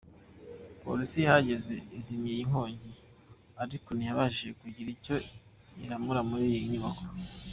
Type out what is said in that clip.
Police yahageze izimya iyi nkongi ariko ntiyabashije kugira icyo iramura muri iyi nyubako.